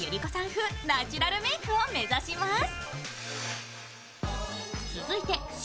風ナチュラルメークを目指します。